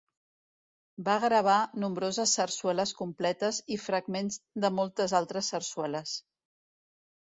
Va gravar nombroses sarsueles completes i fragments de moltes altres sarsueles.